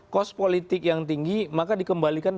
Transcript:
kos politik yang tinggi maka dikembalikan